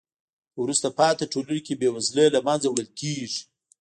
په وروسته پاتې ټولنو کې بې وزلۍ له منځه وړل کیږي.